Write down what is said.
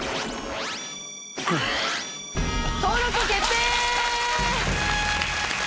登録決定！